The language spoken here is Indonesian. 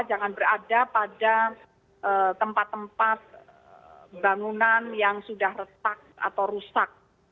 jangan berada pada tempat tempat bangunan yang sudah retak atau rusak